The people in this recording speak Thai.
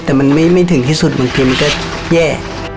แต่มันไม่ถึงที่สุดบางทีมันก็แย่